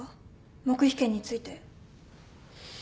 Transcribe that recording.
黙秘権について。